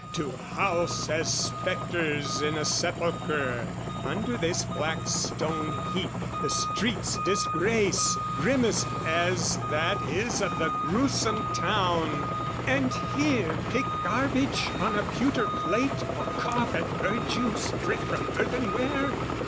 "To house as spectres in a sepulchre "Under this black stone heap, the street's disgrace, "Grimmest as that is of the gruesome town, "And here pick garbage on a pewter plate "Or cough at verjuice dripped from earthenware?